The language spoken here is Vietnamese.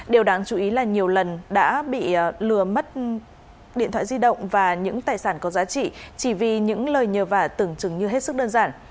điều đáng chú ý là nhiều lần đã bị lừa mất điện thoại di động và những tài sản có giá trị chỉ vì những lời nhờ vả tưởng chừng như hết sức đơn giản